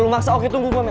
lu maksa oke tunggu gua mel